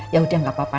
ya udah gak apa apa